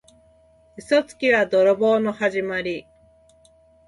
嘘つきは泥棒のはじまり。